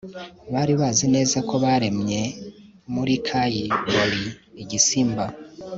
bari bazi neza ko baremye muri kai borie igisimba